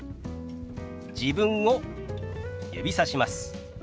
自分を指さします。